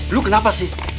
lo kenapa sih